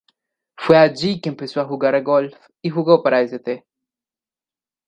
Fue allí que empezó a jugar golf, y jugó para St.